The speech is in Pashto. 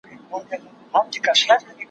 ما مخکي د سبا لپاره د ليکلو تمرين کړی وو